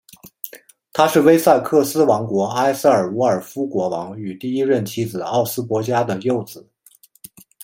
他是威塞克斯王国埃塞尔伍尔夫国王与第一任妻子奥斯博嘉的幼子。